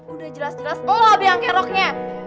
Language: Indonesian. udah jelas jelas lo yang kaya rocknya